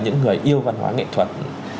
những người yêu văn hóa nghệ thuật